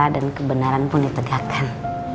dan kebenaran pun ditegakkan